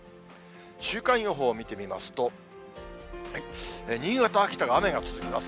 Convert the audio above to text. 週間予報を見てみますと、新潟、秋田が雨が続きます。